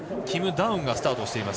キム・ダウンがスタート。